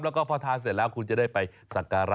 แล้วก็พอทานเสร็จแล้วคุณจะได้ไปสักการะ